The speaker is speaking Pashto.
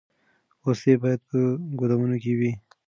وسلې باید په ګودامونو کي وي.